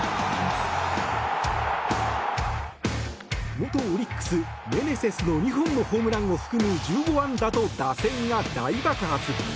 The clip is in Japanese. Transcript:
元オリックス、メネセスの２本のホームランを含む１５安打と打線が大爆発。